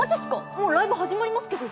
もうライブ始まりますけど。